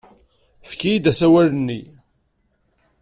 Efk-iyi-d asawal-nni.